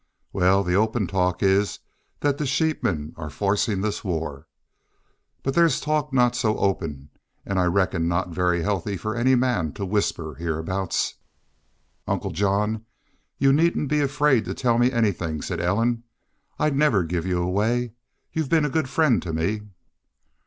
"Wal, the open talk is thet the sheepmen are forcin' this war. But thar's talk not so open, an' I reckon not very healthy for any man to whisper hyarbouts." "Uncle John, y'u needn't be afraid to tell me anythin'," said Ellen. "I'd never give y'u away. Y'u've been a good friend to me."